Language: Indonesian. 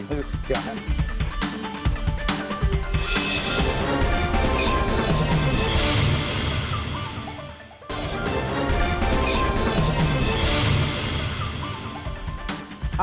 assalamualaikum warahmatullahi wabarakatuh